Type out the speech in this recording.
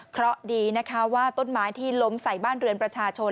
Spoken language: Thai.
เพราะดีนะคะว่าต้นไม้ที่ล้มใส่บ้านเรือนประชาชน